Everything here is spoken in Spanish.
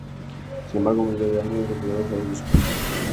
Sin embargo a mitad de año, incorporó jugadores de su paladar.